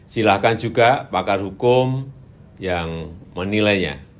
silahkan juga pakar hukum yang menilainya